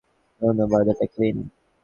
ধন্যবাদ - এটা ক্লিন।